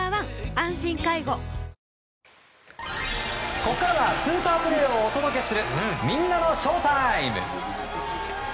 ここからはスーパープレーをお届けするみんなのＳＨＯＷＴＩＭＥ！